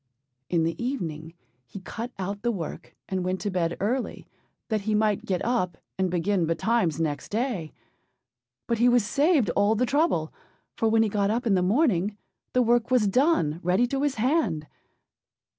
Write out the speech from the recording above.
In the evening he cut out the work, and went to bed early, that he might get up and begin betimes next day; but he was saved all the trouble, for when he got up in the morning the work was done ready to his hand.